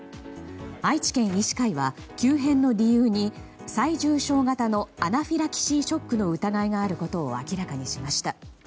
愛知県医師会は急変の理由に最重症型のアナフィラキシーショックの疑いがあることを明らかにしました。